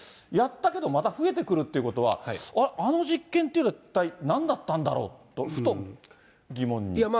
やったけど、また増えてくるってことは、あの実験っていうのは、一体なんだったんだろうと、ふと疑問に。